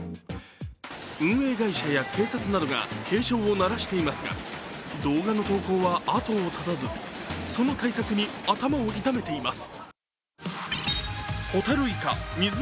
運営会社や警察などが警鐘を鳴らしていますが動画の投稿はあとを絶たず、その対策に頭を痛めています。